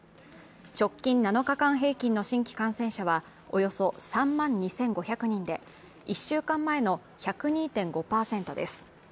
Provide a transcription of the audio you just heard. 直近７日間平均の新規感染者はおよそ３万２５００人で、１週間前の１０２．５％です。